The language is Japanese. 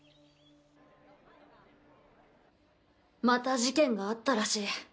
また事件があったらしい。